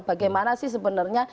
bagaimana sih sebenarnya